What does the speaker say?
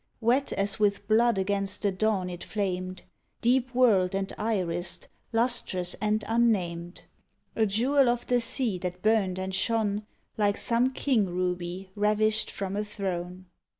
Wet as with blood against the dawn it flamed, Deep whorled and irised, lustrous and unnamed — A jewel of the sea that burned and shone Like some king ruby ravished from a throne.